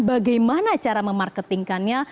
bagaimana cara memarketingkannya